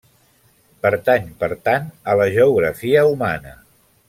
Pertany, per tant, a la geografia humana.